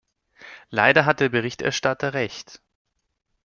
Leider hat der Berichterstatter Recht.